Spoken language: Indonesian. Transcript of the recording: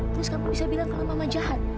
terus kamu bisa bilang kamu mama jahat